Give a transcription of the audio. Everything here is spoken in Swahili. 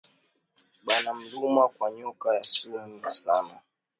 Bana muluma kwa nyoka ya sumu sana